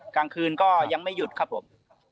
กลางคืนก็ยังไม่หยุดครับผม